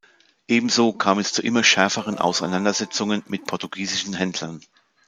Ebenso kam es zu immer schärferen Auseinandersetzungen mit portugiesischen Händlern.